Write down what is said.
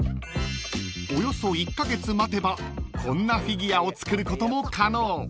［およそ１カ月待てばこんなフィギュアを作ることも可能］